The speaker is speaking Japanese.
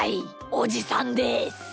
おじさんです。